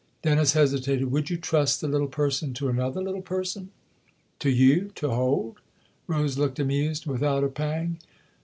Dennis hesitated. "Would you trust the little person to another little person ?"" To you to hold ?" Rose looked amused. " Without a pang